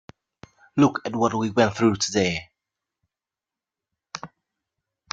Look at what we went through today.